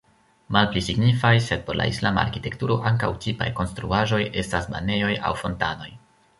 Malpli signifaj, sed por la islama arkitekturo ankaŭ tipaj konstruaĵoj, estas banejoj aŭ fontanoj.